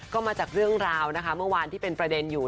ก็มาจากเรื่องราวนะคะเมื่อวานที่เป็นประเด็นอยู่